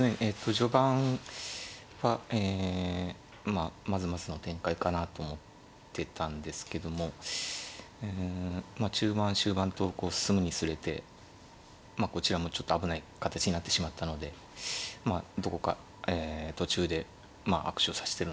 序盤はえまあまずまずの展開かなと思ってたんですけどもうん中盤終盤とこう進むにつれてまあこちらもちょっと危ない形になってしまったのでどこか途中で悪手を指してるのかなという感じがします。